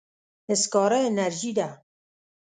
سکاره انرژي ده.